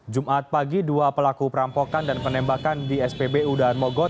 jumat pagi dua pelaku perampokan dan penembakan di spbu daan mogot